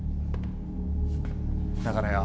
だからよ